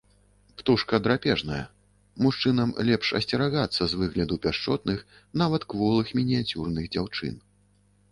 Птушка драпежная, мужчынам лепш асцерагацца з выгляду пяшчотных, нават кволых мініяцюрных дзяўчын.